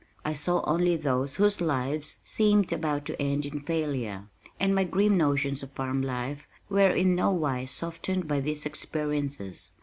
I saw only those whose lives seemed about to end in failure, and my grim notions of farm life were in no wise softened by these experiences.